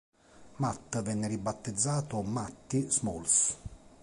Matt venne ribattezzato Matty Smalls.